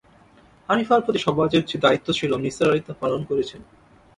হানিফার প্রতি সমাজের যে দায়িত্ব ছিল, নিসার আলি তা পালন করেছেন।